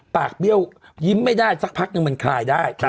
เบี้ยวยิ้มไม่ได้สักพักนึงมันคลายได้